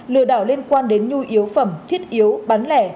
lừa đảo liên quan đến nhu yếu phẩm thiết yếu bán lẻ